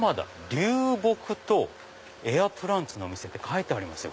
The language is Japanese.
「流木とエアプランツのお店」って書いてありますよ